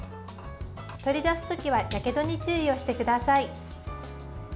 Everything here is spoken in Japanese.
取り出す時はやけどに注意をしてください。